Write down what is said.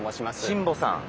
新保さん。